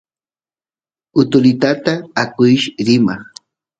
utulitata akush rima